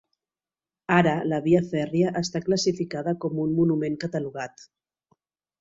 Ara la via fèrria està classificada com un monument catalogat.